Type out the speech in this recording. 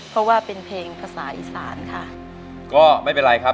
เพราะว่าเป็นเพลงภาษาอีสานค่ะ